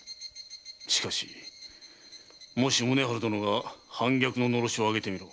しかしもし宗春殿が反逆ののろしを上げてみろ。